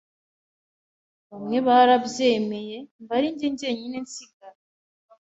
ariwe njyewe) bamwe barabyemeye mba arinjye njyenyine nsigara,